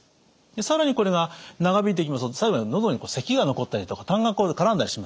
更にこれが長引いていきますと最後喉にせきが残ったりとかたんが絡んだりしますよね。